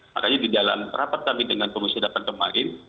makanya di dalam rapat kami dengan komisi delapan kemarin